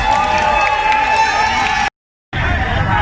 สวัสดีครับ